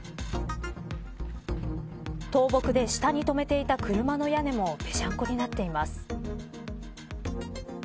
倒木で下に止めていた車の屋根もぺしゃんこになっています。